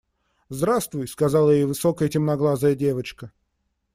– Здравствуй, – сказала ей высокая темноглазая девочка.